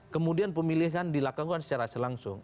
kemudian pemilihan dilakukan secara selangsung